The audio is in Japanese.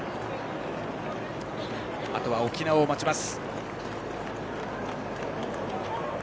あとは沖縄を待ちます。